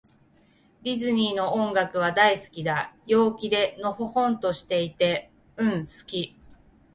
ディズニーの音楽は、大好きだ。陽気で、のほほんとしていて。うん、好き。